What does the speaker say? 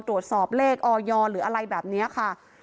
ตรวจสอบเลขออยหรืออะไรแบบนี้ค่ะ